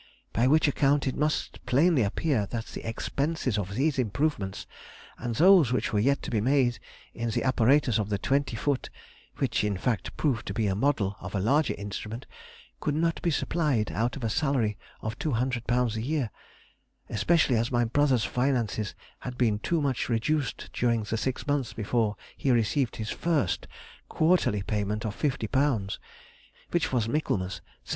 By which account it must plainly appear that the expenses of these improvements, and those which were yet to be made in the apparatus of the twenty foot (which in fact proved to be a model of a larger instrument), could not be supplied out of a salary of £200 a year, especially as my brother's finances had been too much reduced during the six months before he received his first quarterly payment of fifty pounds (which was Michaelmas, 1782).